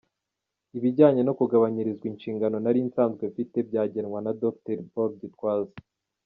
Ibijyanye no kugabanyirizwa inshingano nari nsanzwe mfite byagenwa na Dr Paul Gitwaza.